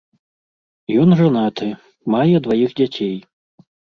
Ён жанаты, мае дваіх дзяцей.